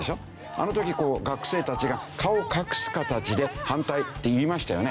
あの時学生たちが顔を隠す形で「反対」って言いましたよね。